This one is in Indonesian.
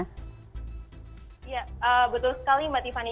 ya betul sekali mbak tiffany